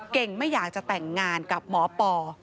ไม่อยากจะแต่งงานกับหมอปอ